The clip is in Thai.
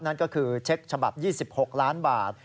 นั่นก็คือเช็คฉบับ๒๖ล้านบาท